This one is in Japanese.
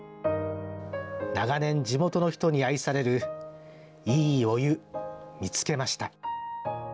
長年地元の人に愛されるいいお湯、見つけました。